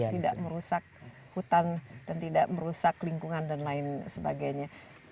tidak merusak hutan dan tidak merusak lingkungan dan lain sebagainya